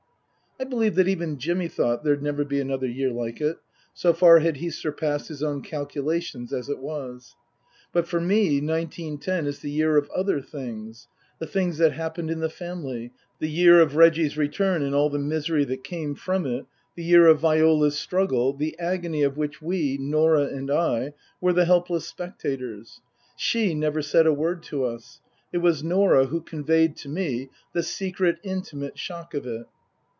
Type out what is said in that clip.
I believe that even Jimmy thought there'd never be another year like it, so far had he surpassed his own calcu lations, as it was. But for me nineteen ten is the year of other things, the things that happened in the family, the year of Reggie's return and all the misery that came from it, the year of Viola's struggle the agony of which we, Norah and I, were the helpless spectators. She never said a word to us. It was Norah who conveyed to me the secret, intimate shock of it.